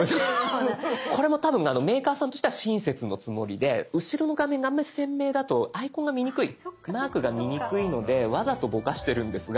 これも多分メーカーさんとしては親切のつもりで後ろの画面があんまり鮮明だとアイコンが見にくいマークが見にくいのでわざとボカしてるんですが。